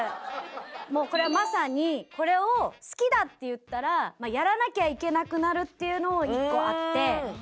もうこれはまさにこれを好きだって言ったらやらなきゃいけなくなるっていうのも１個あって。